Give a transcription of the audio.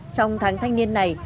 trong tháng thanh niên này